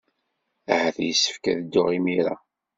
Ahat yessefk ad dduɣ imir-a.